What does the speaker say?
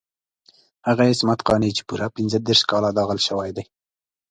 هغه عصمت قانع چې پوره پنځه دېرش کاله داغل شوی دی.